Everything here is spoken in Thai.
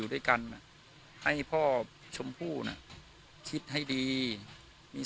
วันนี้ก็จะเป็นสวัสดีครับ